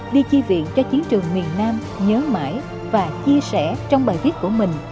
đưa chi viện cho chiến trường miền nam nhớ mãi và chia sẻ trong bài viết của mình